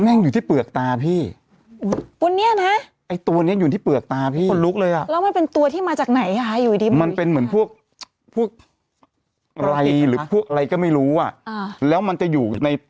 แม่งอยู่ที่เปลือกตาพี่ตัวเนี้ยนะไอตัวเนี้ยอยู่ที่เปลือกตาพี่